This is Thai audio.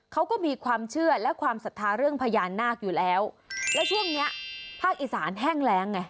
เขาก็มีความเชื่อและความศรัทธาเรื่องพญานาคอยู่แล้วแล้วช่วงเนี้ยภาคอีสานแห้งแรงไง